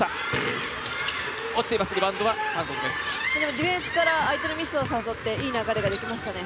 ディフェンスから相手のミスを誘っていい流れができましたね。